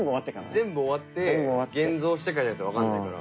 全部終わって現像してからじゃないとわかんないから。